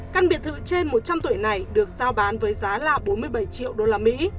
căn biệt thự trên một trăm linh tuổi này được giao bán với giá là bốn mươi bảy triệu usd